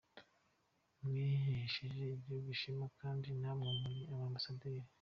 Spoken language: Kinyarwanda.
Mwahesheje igihugu ishema kandi namwe muri ba ambasaderi.